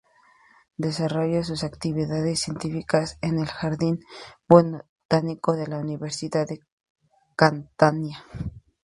Desarrolla sus actividades científicas en el Jardín botánico de la Universidad de Catania.